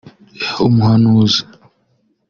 Umuhanuzi